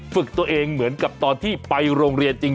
ฝึกตัวเองเหมือนกับตอนที่ไปโรงเรียนจริง